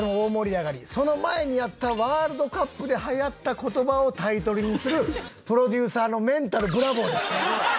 その前にやったワールドカップで流行った言葉をタイトルにするプロデューサーのメンタルブラボーです。